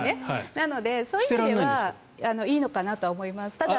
なので、そういうのはいいのかなと思います。